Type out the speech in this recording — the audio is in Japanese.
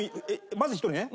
まず１人。